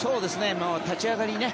立ち上がり